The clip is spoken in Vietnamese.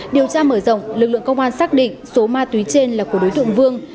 điều tra mở rộng lực lượng công an xác định số ma túy trên là của đối tượng vương